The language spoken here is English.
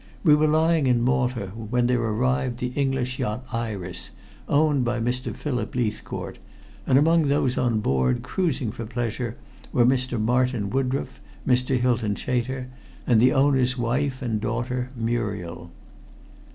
We were lying in Malta when there arrived the English yacht Iris, owned by Mr. Philip Leithcourt, and among those on board cruising for pleasure were Mr. Martin Woodroffe, Mr. Hylton Chater, and the owner's wife and daughter Muriel.